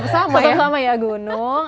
sama sama ya gunung